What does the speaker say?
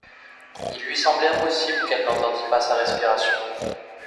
Il lui semblait impossible qu’elle n’entendît pas sa respiration.